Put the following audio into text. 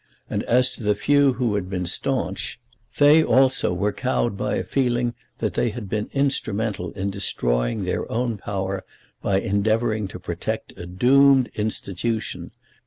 And as to the few who had been staunch, they also were cowed by a feeling that they had been instrumental in destroying their own power by endeavouring to protect a doomed institution.